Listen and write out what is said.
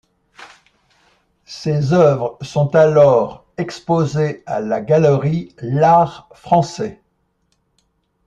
Ses œuvres sont alors exposées à la Galerie L'Art français.